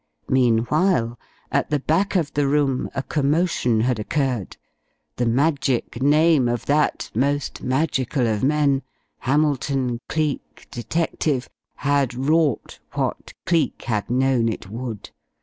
Meanwhile, at the back of the room a commotion had occurred. The magic name of that most magical of men Hamilton Cleek, detective had wrought what Cleek had known it would.